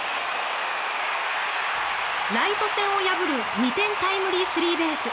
ライト線を破る２点タイムリー３ベース！